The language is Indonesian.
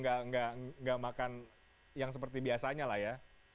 nggak makan yang seperti biasanya lah ya